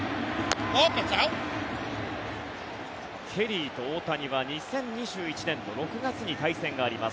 ケリーと大谷は２０２１年の６月に対戦があります。